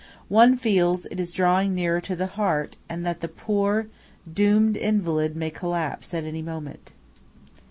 One feels it is drawing near to the heart, and that the poor, doomed invalid may collapse at any moment.